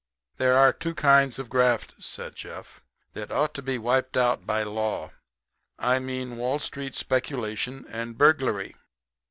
"There are two kinds of graft," said Jeff, "that ought to be wiped out by law. I mean Wall Street speculation, and burglary."